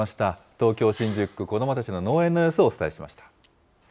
東京・新宿区、子どもたちの農園の様子をお伝えしました。